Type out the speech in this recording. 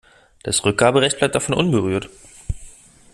Das Rückgaberecht bleibt davon unberührt.